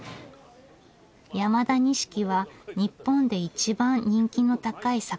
山田錦は日本で一番人気の高い酒米。